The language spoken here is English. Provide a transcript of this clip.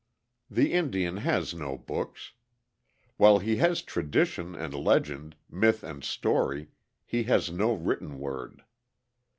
The Indian has no books. While he has tradition and legend, myth and story, he has no written word.